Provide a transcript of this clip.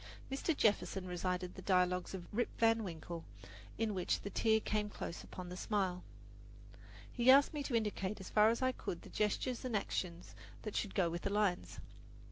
Mr. Jefferson recited the best dialogues of "Rip Van Winkle," in which the tear came close upon the smile. He asked me to indicate as far as I could the gestures and action that should go with the lines.